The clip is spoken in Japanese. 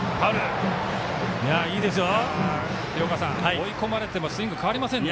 追い込まれてもスイング変わりませんね。